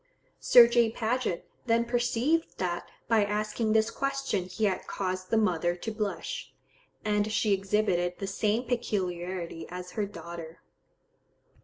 Sir J. Paget then perceived that by asking this question he had caused the mother to blush; and she exhibited the same peculiarity as her daughter.